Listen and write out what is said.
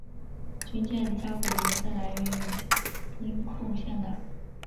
军舰加古的名称来源于兵库县的。